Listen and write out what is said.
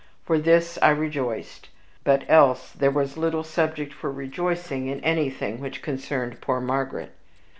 For this I rejoiced, but else there was little subject for rejoicing in anything which concerned poor Margaret.